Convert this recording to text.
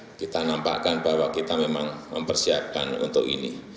kita nampakkan bahwa kita memang mempersiapkan untuk ini